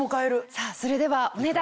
さぁそれではお値段。